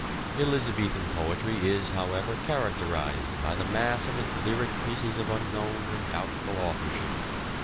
Elizabethan poetry is, however, characterized by the mass of its lyric pieces of unknown or doubtful authorship.